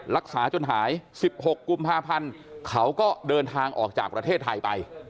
รักษาจนหาย๑๖กุมภาพันธ์เขาก็เดินทางออกจากประเทศไทยไป